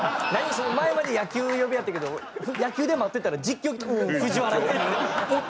その前まで野球呼びやったけど野球で待ってたら実況うん藤原って何？